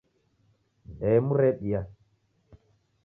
Ndemu rebia